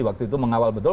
waktu itu mengawal betul